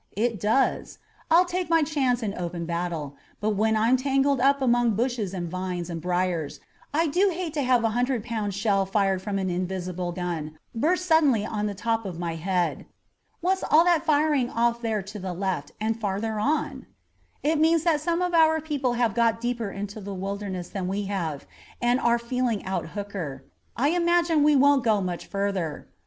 "It does. I'll take my chance in open battle, but when I'm tangled up among bushes and vines and briars, I do hate to have a hundred pound shell fired from an invisible gun burst suddenly on the top of my head. What's all that firing off there to the left and farther on?" "It means that some of our people have got deeper into the Wilderness than we have, and are feeling out Hooker. I imagine we won't go much farther.